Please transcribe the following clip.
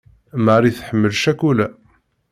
Mari tḥemmel ccakula.